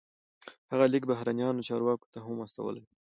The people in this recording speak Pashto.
هغه لیک بهرنیو چارواکو ته هم استولی و.